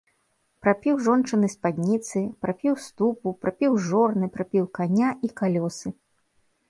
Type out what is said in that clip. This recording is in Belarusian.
Прапіў жончыны спадніцы, прапіў ступу, прапіў жорны, прапіў каня і калёсы.